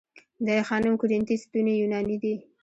د آی خانم کورینتی ستونې یوناني دي